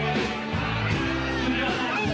เผื่อไม่เหลือที่อายุ